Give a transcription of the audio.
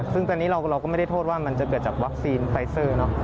ซึ่งตอนนี้เราก็ไม่ได้โทษว่ามันจะเกิดจากวัคซีนไฟเซอร์เนอะ